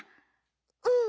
うん。